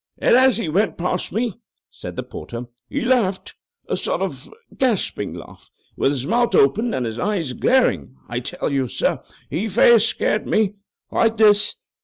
"And as he went past me," said the porter, "he laughed—a sort of gasping laugh, with his mouth open and his eyes glaring—I tell you, sir, he fair scared me!—like this."